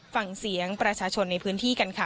ฟังเสียงประชาชนในพื้นที่กันค่ะ